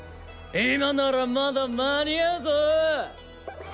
今ならまだ間に合うぞ。